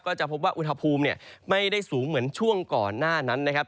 จะพบว่าอุณหภูมิไม่ได้สูงเหมือนช่วงก่อนหน้านั้นนะครับ